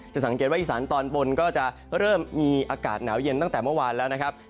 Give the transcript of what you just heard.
สังเกตว่าอีสานตอนบนก็จะเริ่มมีอากาศหนาวเย็นตั้งแต่เมื่อวานแล้วนะครับ